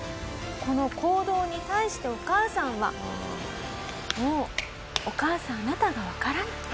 この行動に対してお母さんはもうお母さんあなたがわからない。